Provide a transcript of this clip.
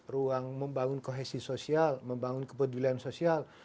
ruang membangun kohesi sosial membangun kepedulian sosial